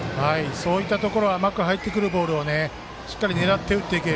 そういったところ甘く入ってくるボールをしっかり狙って打てる。